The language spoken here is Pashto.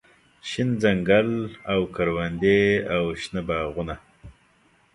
شين ځنګل او کروندې او شنه باغونه